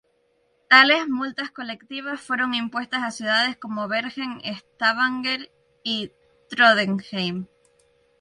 Tales ""multas colectivas"" fueron impuestas a ciudades como Bergen, Stavanger y Trondheim.